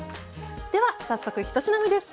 では早速１品目です。